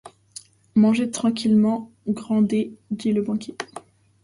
Mangez tranquillement, Grandet, dit le banquier.